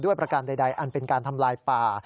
ประการใดอันเป็นการทำลายป่า